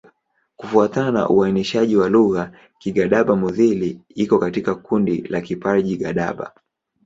Kufuatana na uainishaji wa lugha, Kigadaba-Mudhili iko katika kundi la Kiparji-Gadaba.